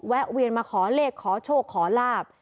แวนมาขอเลขขอโชคขอลาบ